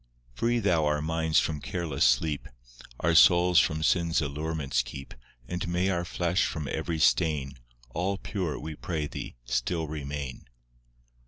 III Free Thou our minds from careless sleep, Our souls from sin's allurements keep; And may our flesh from every stain, All pure, we pray Thee, still remain.